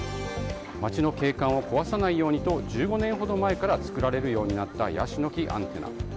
街の景観を壊さないようにと１５年ほど前から作られるようになったヤシの木アンテナ。